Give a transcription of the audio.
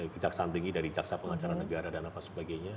kejaksaan tinggi dari jaksa pengacara negara dan apa sebagainya